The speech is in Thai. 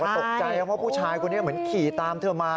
ปลอดภัยว่าผู้ชายคนนี้เหมือนขี่ตามเธอมา